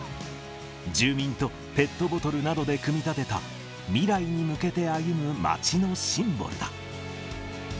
住民とペットボトルなどで組み立てた、未来に向けて歩む街のシンボルだ。